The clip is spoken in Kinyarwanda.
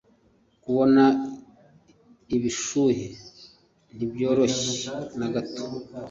Kubona ibishuhe ntibyoroshye nagato